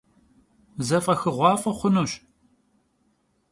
Zef'exığuaf'e xhunuş.